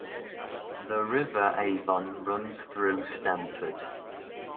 The river Avon runs through Stanford.